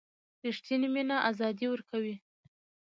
ریښتینې مینه آزادي ورکوي.